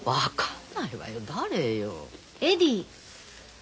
ん？